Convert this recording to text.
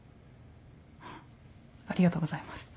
ありがとうございます。